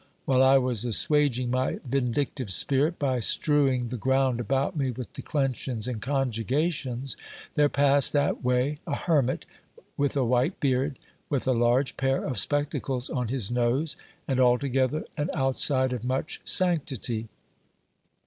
While I was assuaging my vindictive spirit, by strewing the ground about me with declensions and conjugations, there passed that way a hermit with a white beard, with a large pair of spectacles on his nose, and altogether an outside of much sanctity.